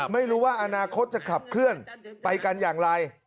ไม่รู้ว่าอนาคตจะขับเคลื่อนไปกันอย่างไร